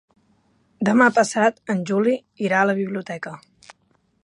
Demà passat en Juli irà a la biblioteca.